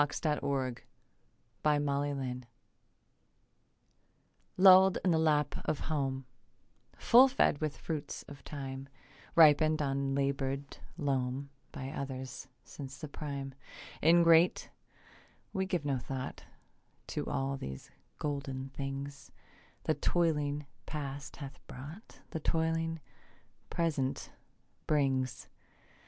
THE GAINS OF TIME Loll'd in the lap of home; Full fed with fruits of time Ripen'd on labour'd loam By others, since the prime; Ingrate, we give no thought To all these golden things The toiling past hath brought, The toiling present brings.